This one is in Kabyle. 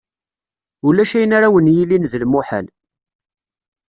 Ulac ayen ara wen-yilin d lmuḥal.